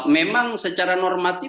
memang secara normatif